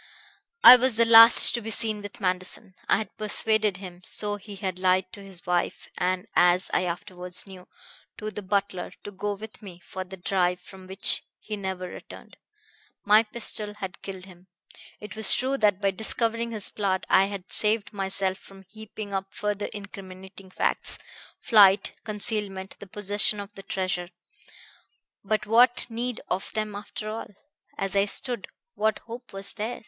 "I was the last to be seen with Manderson. I had persuaded him so he had lied to his wife and, as I afterwards knew, to the butler to go with me for the drive from which he never returned. My pistol had killed him. It was true that by discovering his plot I had saved myself from heaping up further incriminating facts flight, concealment, the possession of the treasure. But what need of them, after all? As I stood, what hope was there?